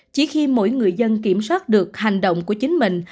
chỉ khi mỗi người dân kiểm soát được hành động của chính mình